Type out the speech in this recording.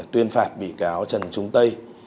tuyên phạt bị cáo trần trung tây